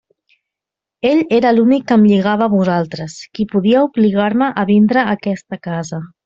Ell era l'únic que em lligava a vosaltres, qui podia obligar-me a vindre a aquesta casa.